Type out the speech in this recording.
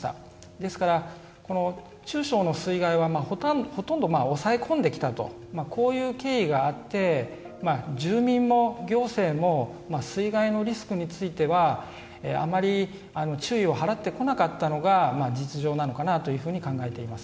ですから、中小の水害はほとんど抑え込んできたとこういう経緯があって住民も行政も水害のリスクについてはあまり注意を払ってこなかったのが実情なのかなというふうに考えています。